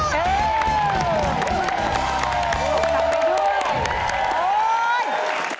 รับไปด้วย